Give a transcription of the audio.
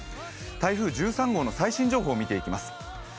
台風１３号の最新情報を見ていきます。